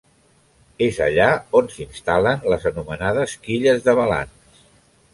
És allà on s'instal·len les anomenades quilles de balanç.